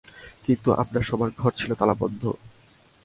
কিন্তু আপনার শোবার ঘর ছিল তালাবন্ধ।